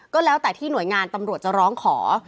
ก็แล้วแต่ที่หน่วยงานตำรวจจะร้องขอ